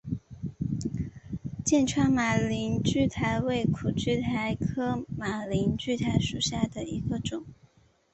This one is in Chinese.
剑川马铃苣苔为苦苣苔科马铃苣苔属下的一个种。